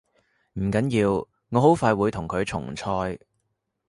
唔緊要，我好快會同佢重賽